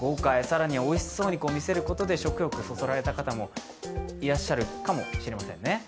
豪快、更にはおいしそうに見せることで食欲をそそられた方もいらっしゃるかもしれませんね。